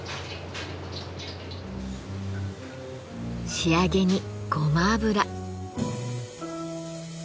仕上げにごま油。